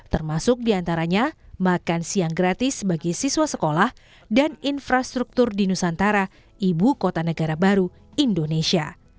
termasuk diantaranya makan siang gratis bagi siswa sekolah dan infrastruktur di nusantara ibu kota negara baru indonesia